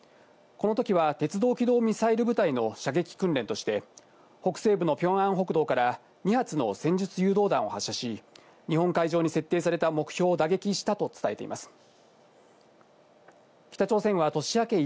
この時は鉄道軌道ミサイル部隊の射撃訓練として北西部のピョンアンブクドウから２月の戦術誘導弾を発射し、日本海上に設定された目標を打撃したと伝えています。